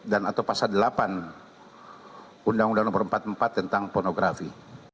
dan atau pasal delapan undang undang nomor empat puluh empat tentang pornografi